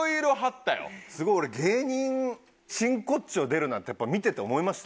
すごい俺芸人真骨頂出るなってやっぱ見てて思いました。